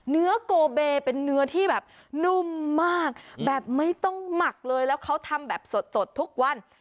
เนื้อโกเบเป็นเนื้อที่แบบนุ่มมากแบบไม่ต้องหมักเลยแล้วเขาทำแบบสดทุกวัน